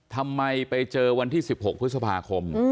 ทำไมไปเจอวันที่๑๖พฤษภาคม